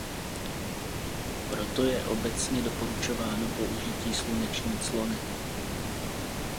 Proto je obecně doporučováno použití sluneční clony.